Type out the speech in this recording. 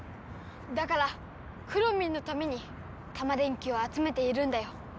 だからくろミンのためにタマ電Ｑをあつめているんだよ。